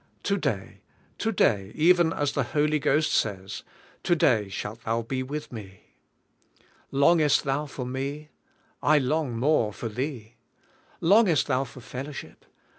To day, to day; even as the Holy Ghost says: *To day shalt thou be with me!' Longest thou for Me? I long more for thee. Long est thou for fellowship ?